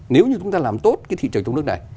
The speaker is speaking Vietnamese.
nếu như chúng ta làm tốt cái thị trường trong nước này